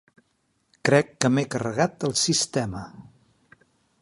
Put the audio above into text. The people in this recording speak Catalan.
Crec que m'he carregat el sistema.